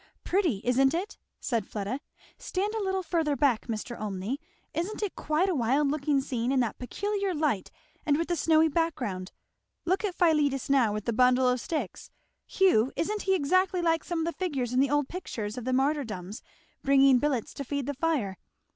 "Pretty, isn't it?" said Fleda. "Stand a little further back, Mr. Olmney isn't it quite a wild looking scene, in that peculiar light and with the snowy background? Look at Philetus now with that bundle of sticks Hugh! isn't he exactly like some of the figures in the old pictures of the martyrdoms, bringing billets to feed the fire?